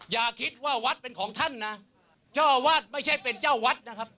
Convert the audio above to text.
อย่าคิดว่าวัดเป็นของท่านนะเจ้าอาวาสไม่ใช่เป็นเจ้าวัดนะครับ